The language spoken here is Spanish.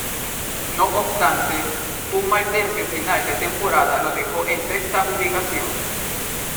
No obstante, un mal tercio final de temporada lo dejó en sexta ubicación.